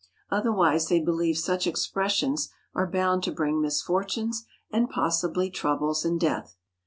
Otherwise they believe such expressions are bound to bring misfortunes and possibly troubles and death.